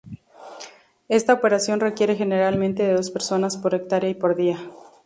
Esta operación requiere generalmente de dos personas por hectárea y por día.